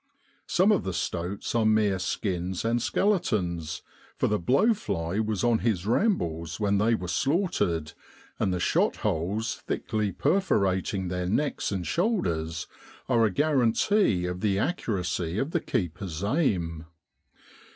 Some of the stoats are mere skins and skeletons, for the blowfly was on his rambles when they were slaughtered, and the shot holes thickly perforating their necks and shoulders are a guarantee of the accuracy of the keeper's aim.